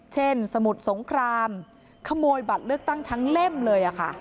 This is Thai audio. สมุทรสงครามขโมยบัตรเลือกตั้งทั้งเล่มเลย